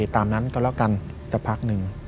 ตามนั้นก็แล้วกันสักพักหนึ่ง